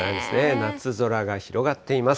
夏空が広がっています。